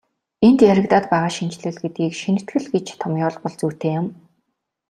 Энд яригдаад байгаа шинэчлэл гэдгийг шинэтгэл гэж томьёолбол зүйтэй мэт.